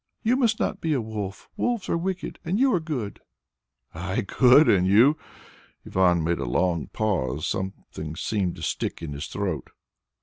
You must not be a wolf. Wolves are wicked and you are good." "I good? Ah, you...." Ivan made a long pause; something seemed to stick in his throat.